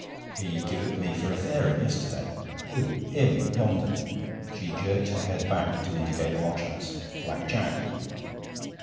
'He give it me for a fairing yesterday.' 'Who?' 'Him yonder' she jerked her head back to indicate the watch house 'Black Jack.'